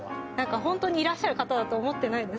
本当にいらっしゃる方だと思ってないです。